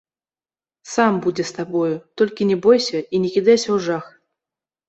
Сам будзе з табою, толькі не бойся і не кідайся ў жах.